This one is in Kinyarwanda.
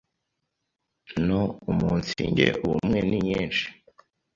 no umunsinge ubumwe ni nyinshi